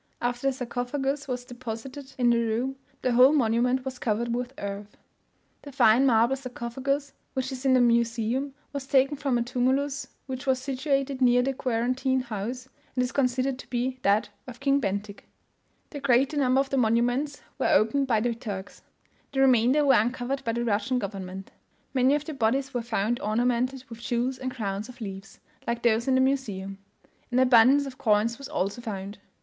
After the sarcophagus was deposited in the room, the whole monument was covered with earth. The fine marble sarcophagus which is in the Museum, was taken from a tumulus which was situated near the quarantine house, and is considered to be that of King Bentik. The greater number of the monuments were opened by the Turks; the remainder were uncovered by the Russian government. Many of the bodies were found ornamented with jewels and crowns of leaves, like those in the Museum; an abundance of coins was also found.